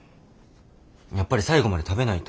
やっぱり最後まで食べないと。